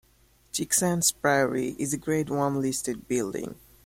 Chicksands Priory is a Grade One listed building.